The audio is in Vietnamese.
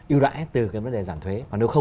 ưu đãi từ cái vấn đề giảm thuế còn nếu không